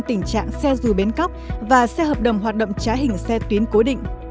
tình trạng xe dù bến cóc và xe hợp đồng hoạt động trá hình xe tuyến cố định